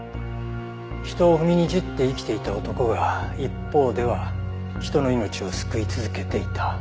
人を踏みにじって生きていた男が一方では人の命を救い続けていた。